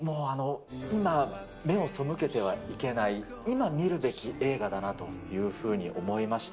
もう、今、目を背けてはいけない、今見るべき映画だなというふうに思いました。